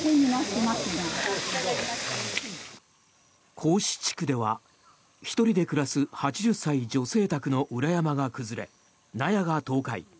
神子地区では、１人で暮らす８０歳女性宅の裏山が崩れ納屋が倒壊。